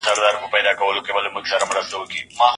که سړی بډایه وای نو خپلې مېرمنې ته به یې کباب اخیستی و.